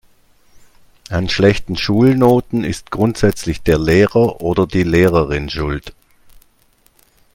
An schlechten Schulnoten ist grundsätzlich der Lehrer oder die Lehrerin schuld.